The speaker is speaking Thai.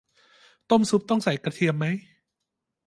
ต้มซุปต้องใส่กระเทียมไหม